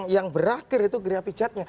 yang berakhir itu griapijatnya